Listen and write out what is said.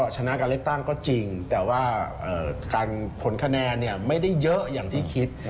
ชนะการเลือกตั้งก็จริงแต่ว่าการผลคะแนนไม่ได้เยอะอย่างที่คิด